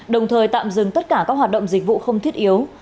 đồng thời tạm dừng tất cả các hoạt động dịch vụ không thiết yếu